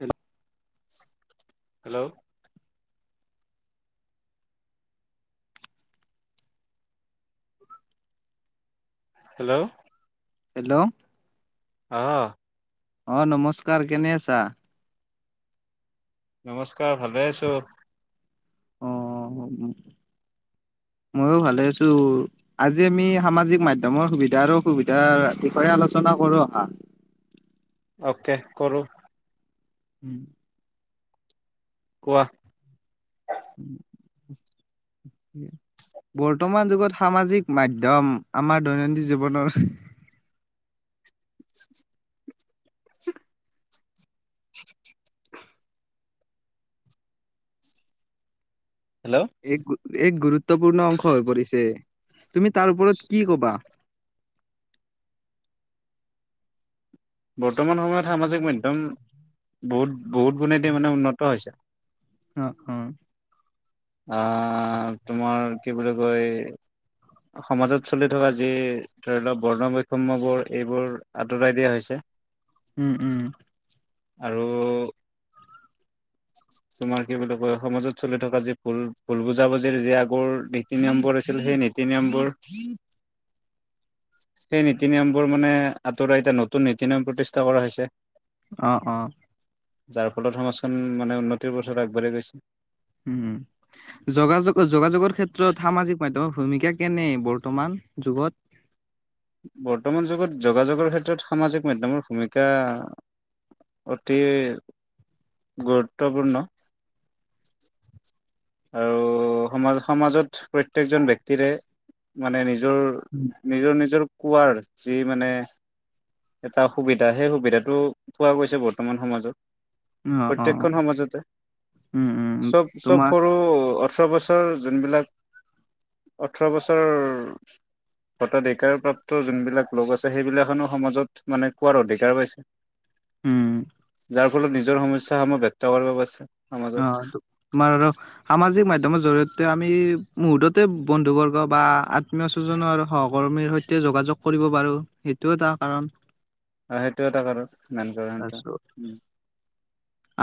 Hello hello hello hello আহ অ নমস্কাৰ কেনে আছা নমস্কাৰ ভালে আছো অ ময়ো ভালে আছো। আজি আমি সামাজিক মাধ্যমৰ সুবিধা আৰু অসুবিধা বিষয়ে আলোচনা কৰো অহা। অকে কৰোঁ। হম কোৱোহ বৰ্তমান যুগত সামাজিক মাধ্যম আমাৰ দৈনন্দিন জীৱনৰ [inaudible] হেল্ল' এক এক গুৰুত্ব গুৰুত্বপূৰ্ণ অংশ হৈ পৰিছে তুমি তাৰ ওপৰত কি কবা। বৰ্তমান সময়ত সামাজিক মাধ্যম বহুত বহুত গুণেতে মানে উন্নত হৈছে। অ অ আ, তোমাৰ কি বুলি কয়, সমাজত চলি থকা যি ধৰি লওঁক বৰ্ণ বৈষম্যবোৰ এইবোৰ আঁতৰাই দিয়া হৈছে। উম, উম। আৰু তোমাৰ কি বুলি কয়, সমাজত চলি থকা যি ভুল, ভুল বুজাবুজিৰ যি আগৰ নীতি নিয়মবোৰ আছিল সেই নীতি নিয়মবোৰ, সেই নীতি নিয়মবোৰ মানে আঁতৰাই এতিয়া নতুন নীতি নিয়ম প্ৰতিষ্ঠা কৰা হৈছে। অ', অ'। যাৰ ফলত সম খন মানে উন্নতিৰ পথত আগবাঢ়ি গৈছে। উম, যোগাযো-যোগাযোগৰ ক্ষেত্ৰত সামাজিক মাধ্যমৰ ভূমিকা কেনে বৰ্তমান যুগত? বৰ্তমান যুগত যোগাযোগৰ ক্ষেত্ৰত সামাজিক মাধ্যমৰ ভূমিকা অতি গুৰুত্বপূৰ্ণ। আৰু সমা-সমাজত প্ৰত্যেকজন ব্যক্তিৰে মানে নিজ নিজৰ, নিজৰ, নিজৰ কোৱাৰ যি মানে এটা সুবিধা, সেই সুবিধাটো পোৱা গৈছে বৰ্তমান সমাজত। অ অ প্ৰত্যেকখন সমাজতে উম উম চব-চব তোমাৰ সৰু অ ওঠৰ বছৰ যোনবিলাক, ওঠৰ বছৰ ভতধিকাৰপ্ৰাপ্ত যোনবিলাক লোক আছে, সেইবিলাকখনো সমাজত মানে কোৱাৰ অধিকাৰ পাইছে। উম। যাৰ ফলত নিজৰ সমস্যাসমূহ ব্যক্ত কৰিব পাৰছে অ', তো-তোমাৰ আৰু সামাজিক মাধ্যমৰ জৰিয়তে আমি মুহুৰ্ততে বন্ধুবৰ্গ বা আ ত্মীয়স্বজনৰ হওক ভৰ্মীৰ সৈতে যোগাযোগ কৰিব পাৰো, সেইটো এটা কাৰণ। অ', সেইটো এটা কাৰণ, মেইন কাৰণ এটা। তাৰপিছত উম।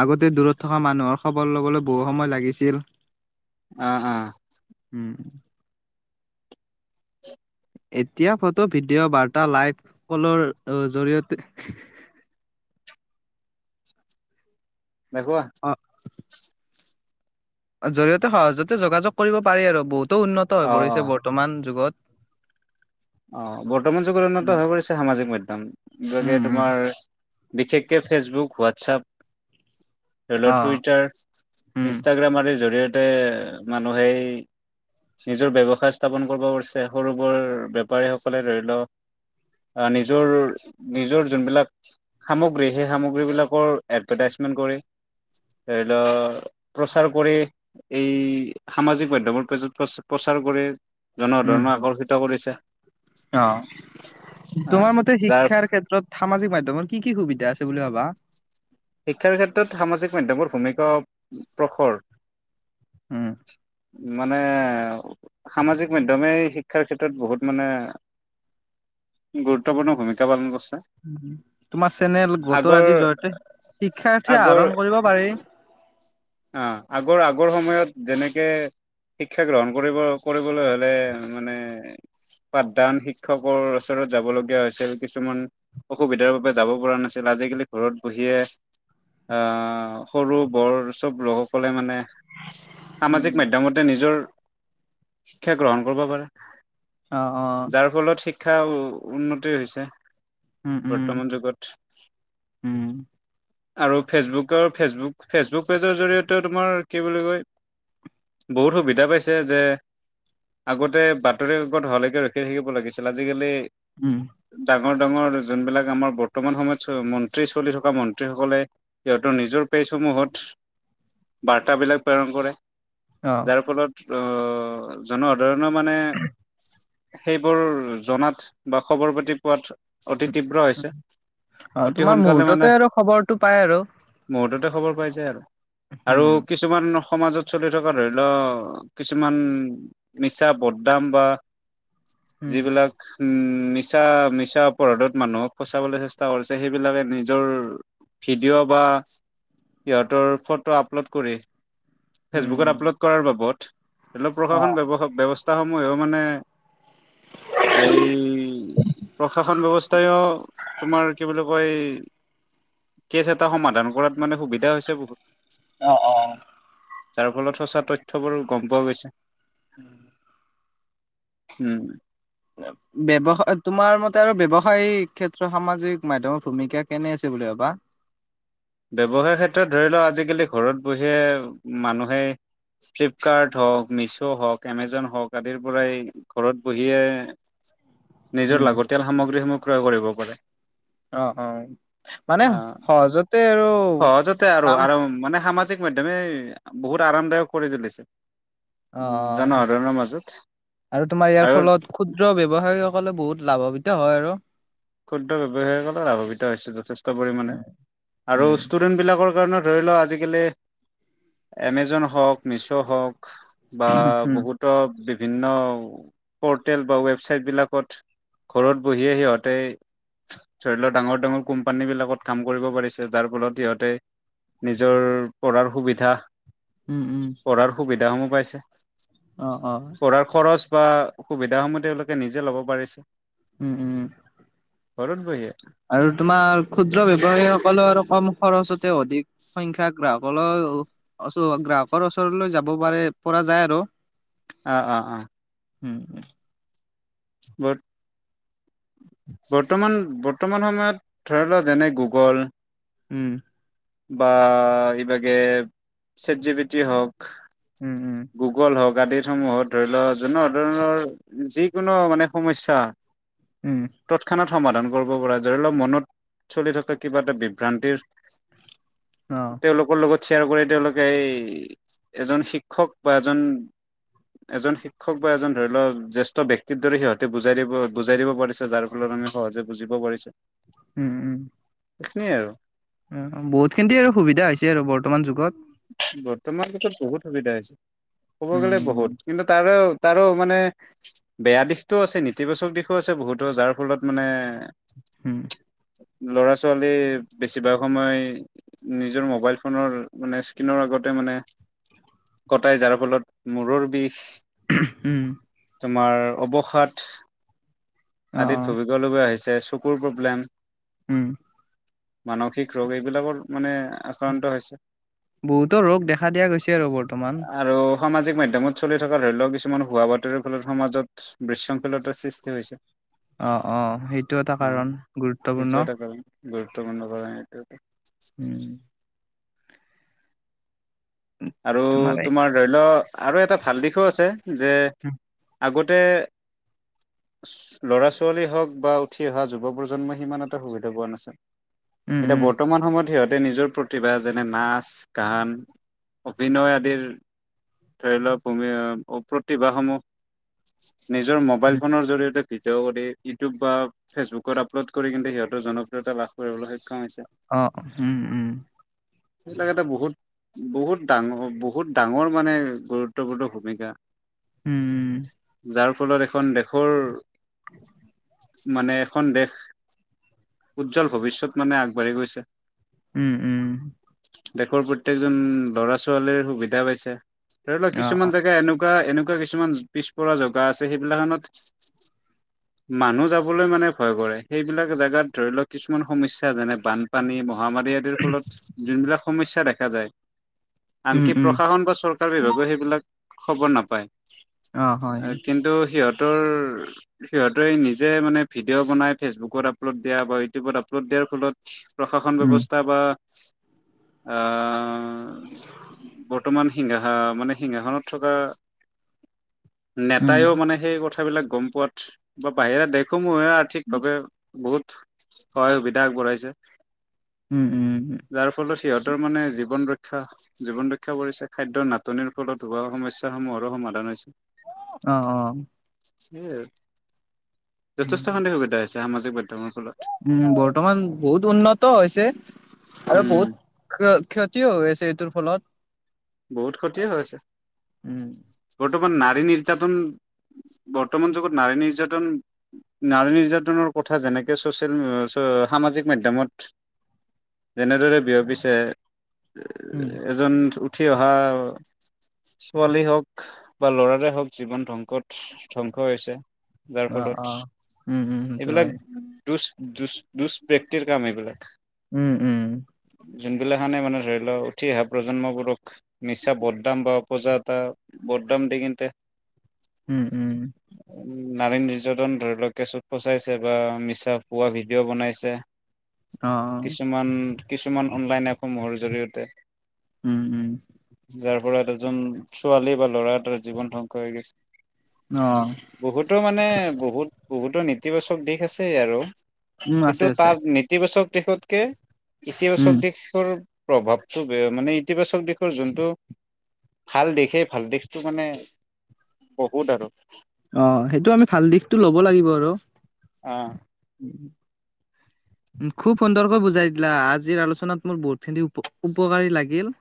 আগতে দূৰত থকা মানুহক খবৰ ল'বলৈ বহু সময় লাগিছিল। অ', অ'। উম এতিয়া ফটো, ভিডিঅ', বাৰ্তা, লাইভ, কলৰ জৰিয়তে দেখুৱা অ জৰিয়তে সহজতে যোগাযোগ কৰিব পাৰি আৰু বহুত। টো, উন্নত হৈ অ', পৰিছে অ', বৰ্তমান যুগত। অ', বৰ্তমান যুগত উন্নত উম হৈ পৰিছে সামাজিক মাধ্যম, গতিকে উম উম তোমাৰ বিশেষকে ফেচবুক, হোৱাটছআপ। ধৰি লওঁক অ টুইটাৰ, উম ইনষ্টাগ্ৰাম আদিৰ জৰিয় তে, মানুহে নিজৰ ব্যৱসায় স্থাপন কৰিব পাৰিছে সৰু, বৰ ব্যব পাৰীসকলে ধৰি ল, আ, নিজৰ, নিজৰ যোনবিলাক সামগ্ৰী সেই সামগ্ৰী বিলাকৰ এডভাৰটাইজমেন্ট কৰে, ধৰি ল, প্ৰচাৰ কৰে এই সামাজিক মাধ্যম পেজত প্ৰচ-প্ৰচাৰ কৰে। উম জনসাধাৰণক আকৰ্ষিত কৰিছে। অ' হা তোমাৰ মতে যাৰ শিক্ষাৰ ক্ষেত্ৰত সামাজিক মাধ্যমত কি, কি সুবিধা আছে বুলি ভাবা? শিক্ষাৰ ক্ষেত্ৰত সামাজিক মাধ্যমৰ ভূমিকা প্ৰখৰ। উম। মানে সামাজিক মাধ্যমে শিক্ষাৰ ক্ষেত্ৰত বহুত মানে গুৰুত্বপূৰ্ণ ভূমিকা পালন কৰিছে। অ' তোমাৰ চেনেল গোটৰ আগৰ আদিৰ জয়তে শিক্ষাৰ্থীয়ে আহৰণ কৰিব পাৰি। আহ আগৰ-আগৰ সময়ত যেনেকে শিক্ষা গ্ৰহণ কৰিব কৰিবলৈ হ'লে মানে পাঠদান শিক্ষকৰ ওচৰত যাবলগীয়া হৈছিল। কিছুমান অসুবিধাৰ বাবে যাব পৰা নাছিল, আজিকালি ঘৰত বহিয়ে আহ সৰু বৰ চব লোকসকলে মানে সামাজিক মাধ্যমতে নিজৰ শিক্ষা গ্ৰহণ কৰিব পাৰে। অহ-অহ। যাৰ ফলত শিক্ষা উন্নতি হৈছে। উম উম বৰ্তমান যুগত। উম আৰু ফেচবুকৰ ফেচবুক, ফেচবুক পেজৰ জৰিয়তে তোমাৰ কি বুলি কয় বহুত সুবিধা পাইছে যে, আগতে বাতৰি-কাকত হোৱা লৈকে ৰখি থাকিব লাগিছিল আজিকালি উম। ডাঙৰ ডাঙৰ যোনবিলাক আমাৰ বৰ্তমান সময়ত মন্ত্ৰী, চলি থকা মন্ত্ৰী ছাত্ৰীসকলে সিহঁতৰ নিজৰ পেজসমূহত বাৰ্তাবিলাক প্ৰেৰণ কৰে। অ যাৰ ফলত অ' জুনৰ ধৰণৰ মানে সেইবোৰ জনাত বা খবৰ পাতি পোৱাত অতি তীব্ৰ হৈছে অ' অতি তোমাৰ সোনকালে মুহূৰ্ততে আৰু খবৰ টো পায় আৰু ততে খবৰ পাই যায় আৰু আৰু উম কিছুমান সমাজত চলি থকা ধৰি লওক, কিছুমান মিছা বদনাম বা উম যিবিলাক উম। মিছা, মিছা অপৰাধত মানুহক ফচাবলৈ চেষ্টা কৰিছে সেইবিলাকে নিজৰ ভিডিঅ' বা সিহঁতৰ ফটো আপলোড কৰি উম ফেচবুকত আপলোড কৰাৰ বাবত অলপ অ প্ৰশাসন ব্যৱস্থা ময়ো মানে এই প্ৰশাসন ব্যৱস্থাইও তোমাৰ কি বুলি কয় কেছ এটা সমাধান কৰাত মানে সুবিধা হৈছে বহুত অ অ। যাৰ ফলত সঁচা তথ্যবোৰ গম পোৱা গৈছে। উম। উম। ব্যৱসায় তোমাৰ মতে আৰু ব্যৱসায়িক ক্ষেত্ৰত সামাজিক মাধ্যাম ভূমিকা কেনে আছে বুলি ভাবা [inaudible] ব্যৱসায়ৰ ক্ষেত্ৰত ধৰি লওক আজিকালি ঘৰত বহিয়ে মানুহেই ফ্লিপকাৰ্ট হওঁক মিছ' হওক এমেজন হওক আদিৰ পৰাই ঘৰত বহিয়ে নিজৰ উম লাগতিয়াল সামগ্ৰীসমূহ ক্ৰয় কৰিব পাৰে অ- অ মানে আহ সহজতে আৰু সহজতে আৰু কাম আৰু মানে সামাজিক মাধ্যামে বহুত আৰামদায়ক কৰি তুলিছে অ' জনসাধাৰণৰ মাজত আৰু তোমাৰ ইয়াৰ ফলত ক্ষুদ্ৰ ব্যৱসায় সকলে বহুত লাভৱিত হয় আৰু ক্ষুদ্ৰ ব্যৱসায়লে লাভিত হৈছে যথেষ্ট পৰিমাণে উম আৰু উম ষ্টুডেন্ট বিলাকৰ ষ্টুডেন্ট ধৰিলো আজিকালি এমেজোন হ উম বিভিন্ন পৰ্টেল বা ৱেবচাইটবিলাকত ঘৰত বহিয়ে সিহতে ধৰি লও ডাঙৰ ডাঙৰ কোম্পানী বিলাকত কাম কৰতে উম উম পঢ়াৰ সুবিধা পাইছে অ -অ পঢ়াৰ খৰচ সুবিধাসমূহ তেওঁলোকে নিজে ল'ব পাৰিছে উম -উম ঘৰত বহিয়ে আৰু তোমাৰ ক্ষুদ্ৰ বেৱসায়ীসকলৰ আৰু কম খৰচতে অধিক সংখ্যা গ্ৰাহকৰৰও গ্ৰাহকৰ ওচৰলৈ যাব পাৰে পৰা যায় আৰু। অ- অ- অ উম [inaudible] ব বৰ্তমান বৰ্তমান সময়ত ধৰি লোৱা যেনে গুগল উম। বা এইভাগে চেটজীবিটি হওক। উম, উম, গুগল হক সমূহত ধৰি লও জনোনসাধৰণৰ যিকোনো মানে সমস্যা উম, তৎক্ষণাত সমাধান কৰিব পৰা ধৰি লওক মনত চলি থকা কিবা এটা বিভ্ৰান্তিৰ অ', তেওঁলোকৰ লগত শ্বেয়াৰ কৰি তেওঁলোকে এই এজন শিক্ষক বা এজন এজন শিক্ষক বা এজন ধৰি লও জ্যেষ্ঠ ব্যয়ক্তিৰ দৰে সিহঁতে বুজাই দিব, বুজাই দিব, পিছে যাৰ ফলত আমি সহজে বুজিব পাৰিছো উম উম এই খিনিয়ে আৰু, অ', বহুত খিনি আৰু সুবিধা হৈছে আৰু বৰ্তমান যুগত বৰ্তমান পিছত বহুত সুবিধা হৈছে। ক'ব গ'লে উম, বহুত কিন্তু, তাৰো তাৰো মানে বেয়া দিশতটো আছে, নেতিবাচক দিশো আছে বহুতো, যাৰ ফলত মানে হুম ল'ৰা ছোৱালী বেছিভাগ সময় নিজৰ মোবাইল ফোনৰ মানে কিনৰ আগতে মানে কটাই যাৰ ফলত মূৰৰ বিষ, উম তোমাৰ অৱসাদ, অ', অ', আদিত ভুগিব লগা হৈছে। যে চকুৰ প্ৰব্লেম, উম মানসিক ৰোগ, এইবিলাকৰ মানে আক্ৰান্ত হৈছে। বহুতো ৰোগ দেখা দিয়া গৈছে আৰু বৰ্তমান, অসামাজিক মাধ্যমত চলি থকা ধৰি লওক কিছুমান ভুৱা বাতৰিৰ ফলত সমাজত বিশৃংখলতাৰ সৃষ্টি হৈছে। অ' অ' সেইটো এটা অ কাৰণ সেইটো গুৰুত্বপূৰ্ণ, এটা কাৰণ গুৰুত্বপূৰ্ণ কাৰন এইটো। উম আৰু তোমাৰ ধৰি লও আৰু এটা ভাল দিশো আছে, যে উম, আগতে তে ল'ৰা ছোৱালী হওক বা উঠি অহা যুৱ প্ৰজন্মই সিমান এটা সুবিধা পোৱা নাছিল। এতিয়া উম, বৰ্তমান সময়ত সিহঁত তে নিজৰ প্ৰতিভা যেনে নাচ, গান, অভিনয় আদিৰ ধৰি লওক, ভূমি প্ৰতিভাসমূহ নিজৰ মোবাইল উম, ফোনৰ জৰিয়তে ভিডিঅ' কৰি ইউটিউব বা ফেচবুকত আপলোড কৰি কিন্তু সিহঁৰ জনপ্ৰিয়তা লাভ কৰিবলৈ সক্ষম হৈছে। অ' হুম উম সেইবিলাক এটা বহুত বহুত ডাঙৰ বহুত ডাঙৰ মানে গুৰুত্বপূৰ্ণ ভূমিকা উম, যাৰ ফলত এখন দেশৰ [unintelligible] মানে এখন দেশ, উজ্জ্বল ভৱিষ্যত মানে আগবাঢ়ি গৈছে। উম উম দেশৰ প্ৰত্যেক ল'ৰা ছোৱালীৰ সুবিধা পাইছে ধৰিল অ'। কিছুমান জেগা এনকা নেক এনেকুৱা কিছুমান পিছপৰা জাগা আছে, সেইবিলাকখনত মানুহ যাবলৈ মানে ভয় কৰে। সেইবিলাক জোগাত ধৰি লওঁক কিছুমান সমস্যা যেনে বানপানী মহামাৰী আদিৰ ফলত যোনবিলাক সমস্যা দেখা যায়। উম আনকি উম প্ৰশাসন বা চৰকাৰ বিভাগও সেইবিলাক খবৰ অ হয় হয় নাপায়। কিন্তু সিহঁত সিহতৰ সিহঁতেৰ নিজে মানে ভিডিঅ' বনাই ফেচবুকত আপলোড দিয়া বা ইউটিউবত আপলোড দিয়াৰ ফলত। প্ৰশাসন উম ব্যৱস্থা বা অঁ- বৰ্তমান সিংঙাসা মানে সিংঙাসনত থকা উম নেতাইও মানে সেই কথাবিলাক গম পোৱাত বাহিৰে দেখো মই আ ঠীক ভাৱে বহুত সহায় সুবিধা আগবঢ়াইছে। উম উম উম যাৰ ফলত সিহঁতৰ মানে জীবন জীৱন ৰক্ষা কৰিছে খাদ্যৰ নাটনিৰ ফলত হোৱা সমস্যা সমূহৰো সমাধান হৈছে। আহ আহ [unintelligible] যথেষ্টখিনি সুবিধা আছে। সামাজিক মাধ্যমৰ ফলত। উম বৰ্তমান বহুত উন্নত হৈছে আৰু উম, বহুত ক্ষতি কিয় হৈ আছে এইটোৰ ফলত বহুত ক্ষতি হৈ আছে উম বৰ্তমান নাৰী নিৰ্যাতন বৰ্তমান যুগত নাৰী নিৰ্যাতন নাৰী নিৰ্যাতনৰ কথা যেনেকে চচিয়েল সামাজিক মাধ্যমত যেনেদৰে বিয়পিছে উম এজন উঠি অহা ছোৱালী হওক বা ল'ৰাৰে হওক জীৱন ধ্বংস ক'ত ধ্বংস হৈছে যাৰ অ ফলত অ উম উম সেইটো এইবিলাক হয় দুচ দুচ দুষ্কৃতিৰ কাম এইবিলাক উম উম যোনবিলাকখানে মানে ধৰি লও উঠি অহা প্ৰজন্মবোৰক হয় মিছা বদদাম বা পজা এটা বদদাম দি কিন্ততে উম- উম। নাৰী নিৰ্যাতন ধৰি লোৱা কেছত ফচাইছে বা মিছা পোৱা ভিডিঅ' বনাইছে। অ অ কিছুমান কিছুমান অনলাইন এপসমূহৰ জৰিয়তে। উম-উম। [unintelligible] পৰা এজন ছোৱালী বা ল'ৰা এটা জীৱন ধ্বংস হৈ গৈছে। অ বহুতৰ মানে বহুত- বহুত টো নেতিবাচক দিশ আছেই আৰু। উম কিন্তু আছে আছে তাৰ নেতিবাচক [unintelligible] এতিয়াও চব উম দিশৰ প্ৰভাৱটো বেয়া মানে ইতিবাচক দি শৰ যোনটো ভাল দিশ সেই ভাল দিশটো মানে বহুত আৰু। অঁ সেইটো আমি ভাল দিশটো ল' ব লাগিব আৰু। অঁ। খুব সুন্দৰকৈ বুজাই দিলা আজিৰ আলোচনাত মোৰ বহুতখিনি উপ উপকাৰী লাগিল।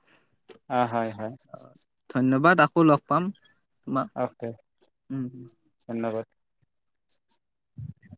হয় হয়- হয়। ধন্যবাদ আকৌ লগ পাম। তোমাক অ'কে উম ধন্যবাদ। [inaudible]